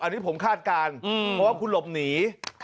อันนี้ผมคาดการณ์เพราะว่าคุณหลบหนี